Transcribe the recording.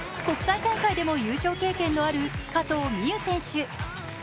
国際大会でも優勝経験のある加藤美優選手。